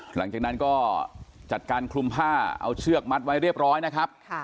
หลังจากนั้นก็จัดการคลุมผ้าเอาเชือกมัดไว้เรียบร้อยนะครับ